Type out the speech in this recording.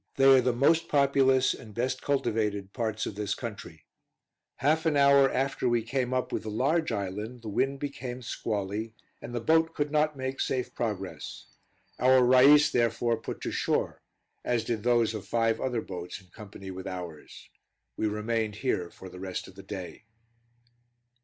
They are the most populous and best cultivated parts of this country. Half an hour after we came up with the large island, the wind became squally, and the boat could not make safe progress. Our rais therefore put to shore, as did those of five other boats in company with ours. We remained here for the rest of the day.